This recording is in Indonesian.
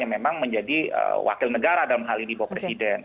yang memang menjadi wakil negara dalam hal ini bapak presiden